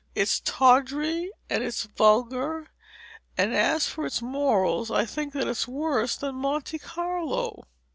It's tawdry and it's vulgar; and as for its morals, I think that it's worse than Monte Carlo.